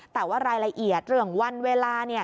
แต่ว่ารายละเอียดเรื่องวันเวลา